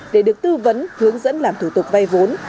để được tư vấn hướng dẫn làm thủ tục vay vốn